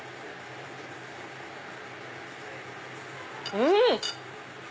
うん！